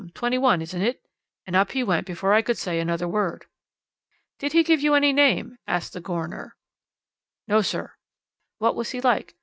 Twenty one, isn't it?" And up he went before I could say another word.' "'Did he give you any name?' asked the coroner. "'No, sir.' "'What was he like?'